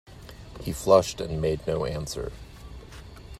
He flushed and made no answer.